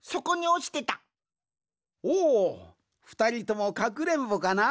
おふたりともかくれんぼかな？